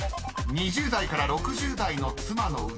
［２０代から６０代の妻］